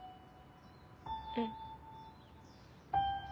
うん。